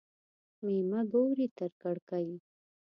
مېمه ګوري تر کړکۍ.